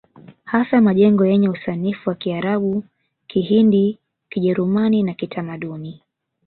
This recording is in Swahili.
Hasa majengo yenye usanifu wa Kiarabu Kihindi Kijerumani na Kitamaduni